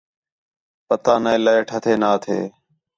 پتہ نے لائیٹ ہتھے نا ہتھے